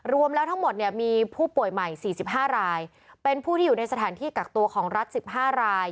รวมแล้วทั้งหมดเนี่ยมีผู้ป่วยใหม่๔๕รายเป็นผู้ที่อยู่ในสถานที่กักตัวของรัฐ๑๕ราย